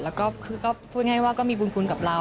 แล้วก็คือก็พูดง่ายว่าก็มีบุญคุณกับเรา